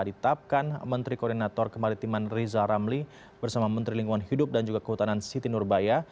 ditapkan menteri koordinator kemaritiman riza ramli bersama menteri lingkungan hidup dan juga kehutanan siti nurbaya